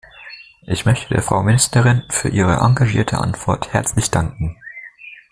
Ich möchte der Frau Ministerin für ihre engagierte Antwort herzlich danken.